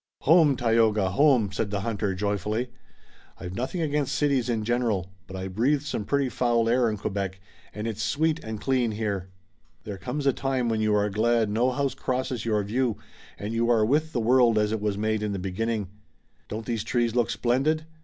"Home, Tayoga! Home!" said the hunter, joyfully. "I've nothing against cities in general, but I breathed some pretty foul air in Quebec, and it's sweet and clean here. There comes a time when you are glad no house crosses your view and you are with the world as it was made in the beginning. Don't these trees look splendid!